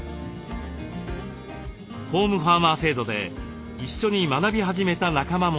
ホームファーマー制度で一緒に学び始めた仲間もいます。